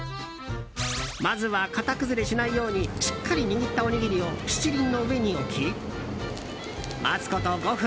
まずは型崩れしないようにしっかり握ったおにぎりを七輪の上に置き、待つこと５分。